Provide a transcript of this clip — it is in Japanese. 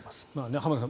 浜田さん